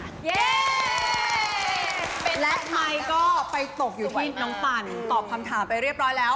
และไทยก็ไปตกอยู่ที่น้องปั่นตอบคำถามไปเรียบร้อยแล้ว